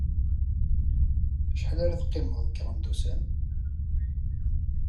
Acḥal ara teqqimeḍ deg Iɣendusen?